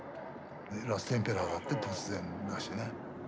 「ラストエンペラー」だって突然だしね。